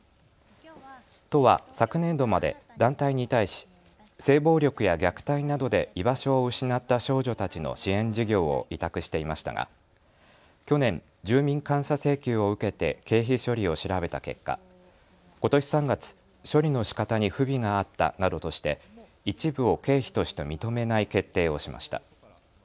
都は昨年度まで団体に対し性暴力や虐待などで居場所を失った少女たちの支援事業を委託していましたが去年、住民監査請求を受けて経費処理を調べた結果、ことし３月、処理のしかたに不備があったなどとして一部を経費として認めない決定をしました。